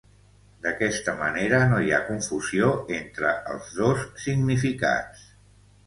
D'aquesta manera no hi ha confusió entre els dos significats.